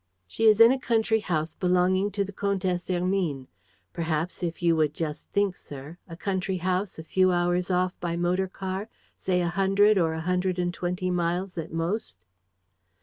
"She is in a country house belonging to the Comtesse Hermine. Perhaps, if you would just think, sir ... a country house a few hours off by motor car, say, a hundred or a hundred and twenty miles at most."